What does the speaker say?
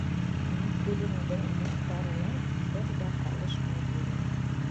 Никулиндың Мухтарынан бер ҙә ҡалышмай буйың.